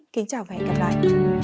kính chào và hẹn gặp lại